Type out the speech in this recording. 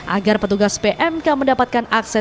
agar petugas pmk mendapatkan api yang lebih cepat